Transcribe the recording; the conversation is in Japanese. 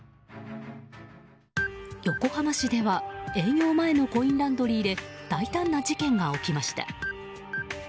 横浜市では営業前のコインランドリーで大胆な事件が起きました。